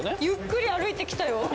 ゆっくり歩いてきたよ。